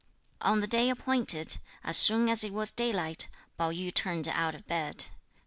On the day appointed, as soon as it was daylight, Pao yü turned out of bed.